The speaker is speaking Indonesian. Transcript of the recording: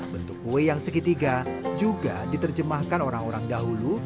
bentuk kue yang segitiga juga diterjemahkan orang orang dahulu